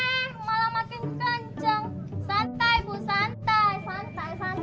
santai bu santai santai santai